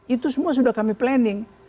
itu semua sudah kami planning